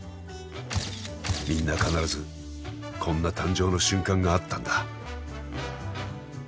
みんな必ずこんな誕生の瞬間があったんだ。